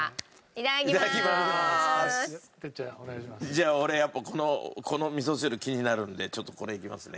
じゃあ俺やっぱこの味噌汁気になるのでちょっとこれいきますね。